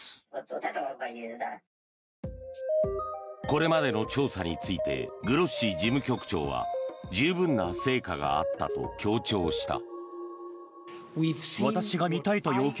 これまでの調査についてグロッシ事務局長は十分な成果があったと強調した。